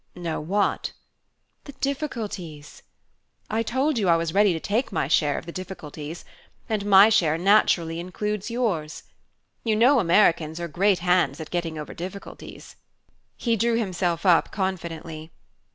"Know what?" "The difficulties " "I told you I was ready to take my share of the difficulties and my share naturally includes yours. You know Americans are great hands at getting over difficulties." He drew himself up confidently.